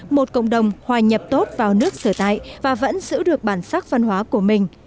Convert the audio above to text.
một cộng đồng hòa nhập tốt vào nước sở tại và vẫn giữ được bản sắc văn hóa của mình